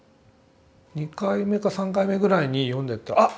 ２回目か３回目ぐらいに読んでってあっ